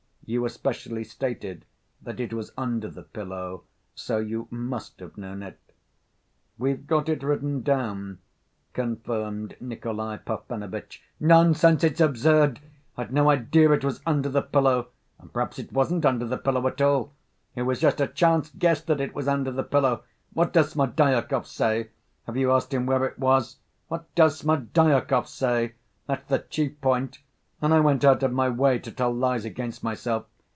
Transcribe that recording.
You especially stated that it was under the pillow, so you must have known it." "We've got it written down," confirmed Nikolay Parfenovitch. "Nonsense! It's absurd! I'd no idea it was under the pillow. And perhaps it wasn't under the pillow at all.... It was just a chance guess that it was under the pillow. What does Smerdyakov say? Have you asked him where it was? What does Smerdyakov say? that's the chief point.... And I went out of my way to tell lies against myself....